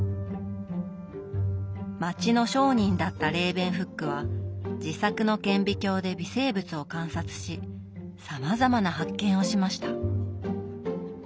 町の商人だったレーベンフックは自作の顕微鏡で微生物を観察しさまざまな発見をしました。